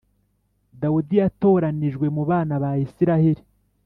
Dawudi yatoranijwe mu bana ba Israheli.